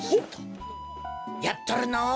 やっとるのう。